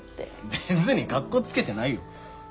別にかっこつけてないよ。